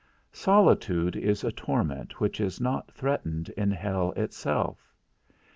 Solitude is a torment which is not threatened in hell itself.